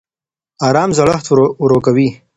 ارام زړښت ورو کوي